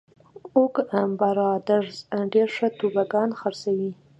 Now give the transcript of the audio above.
اوک برادرز ډېر ښه توبوګان خرڅوي.